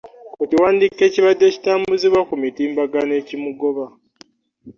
Ku kiwandiiko ekibadde kitambuzibwa ku mitimbagano ekimugoba